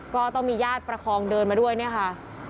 ก็ต้องมีญาติประคองเดินมาด้วยเนี่ยค่ะ